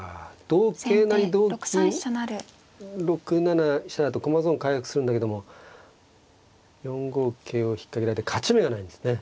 同桂成同金６七飛車だと駒損回復するんだけども４五桂を引っ掛けられて勝ち目がないんですね。